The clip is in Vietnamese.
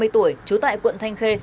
năm mươi tuổi trú tại quận thanh khê